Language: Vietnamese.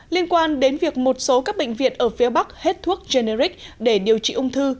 liên quan đến việc một số các bệnh viện ở phía bắc hết thuốc generic để điều trị ung thư